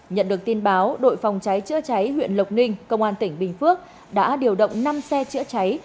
nhận được tin báo đội phòng cháy chữa cháy huyện lộc ninh công an tỉnh bình phước đã điều động năm xe chữa cháy